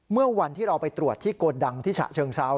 เมื่อวันที่เราไปตรวจที่โกดังที่ฉะเชิงเซา